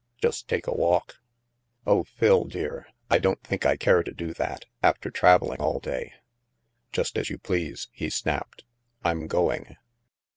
*' Just take a walk.' Oh, Phil, dear, I don't think I care to do that, after traveling all day." Just as you please," he snapped. " I'm going.'